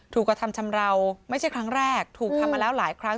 กระทำชำราวไม่ใช่ครั้งแรกถูกทำมาแล้วหลายครั้ง